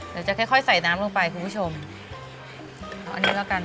เดี๋ยวจะค่อยค่อยใส่น้ำลงไปคุณผู้ชมเอาอันนี้แล้วกัน